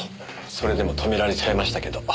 それでも止められちゃいましたけど。